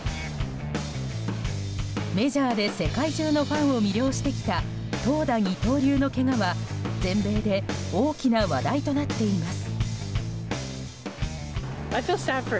メジャーで世界中のファンを魅了してきた投打二刀流のけがは、全米で大きな話題となっています。